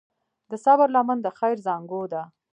د صبر لمن د خیر زانګو ده.